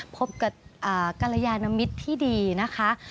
พบกับกรยานมิตรที่ดีนะคะ